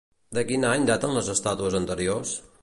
De quin any daten les estàtues anteriors?